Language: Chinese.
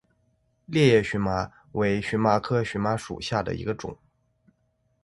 裂叶荨麻为荨麻科荨麻属下的一个种。